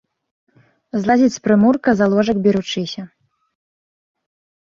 Злазіць з прымурка, за ложак беручыся.